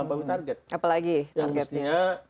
apa lagi targetnya